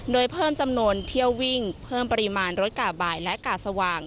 โดยเพิ่มจำนวนเที่ยววิ่งเพิ่มปริมาณรถกาบายและกาสว่าง